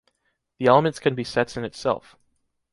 The elements can be sets in itself.